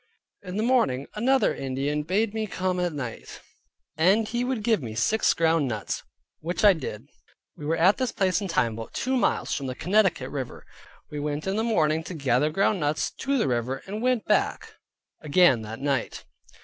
In the morning, another Indian bade me come at night, and he would give me six ground nuts, which I did. We were at this place and time about two miles from [the] Connecticut river. We went in the morning to gather ground nuts, to the river, and went back again that night.